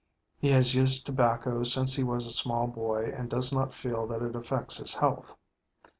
He has used tobacco since he was a small boy and does not feel that it affects his health.